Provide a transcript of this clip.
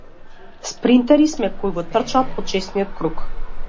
Спринтери сме, кои го трчаат почесниот круг.